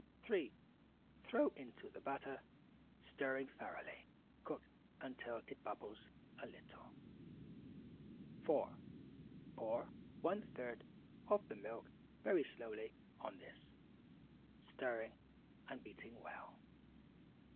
3. Throw into the butter, stirring thoroughly. Cook until it bubbles a little. 4. Pour 1/3 of the milk very slowly on this, stirring and beating well.